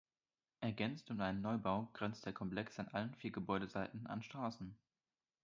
Ergänzt um einen Neubau grenzt der Komplex an allen vier Gebäudeseiten an Strassen.